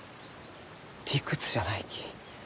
理屈じゃないき。